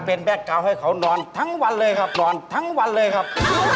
เป็นแบ็คเกาให้เขานอนทั้งวันเลยครับนอนทั้งวันเลยครับ